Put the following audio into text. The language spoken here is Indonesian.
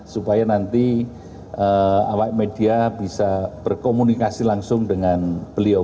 supaya nanti awak media bisa berkomunikasi langsung dengan beliau